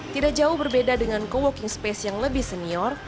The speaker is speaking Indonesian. tidak jauh berbeda dengan co working space yang lebih senior